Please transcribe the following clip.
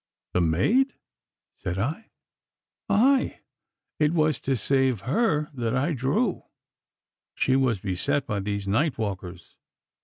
'The maid?' said I. 'Aye, it was to save her that I drew. She was beset by these night walkers.